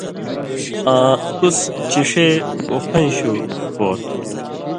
آں (تُس) چِݜے اُخَیں شُو پو تھہ۔